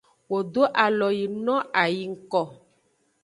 Wo do alo yi no a yi ngko.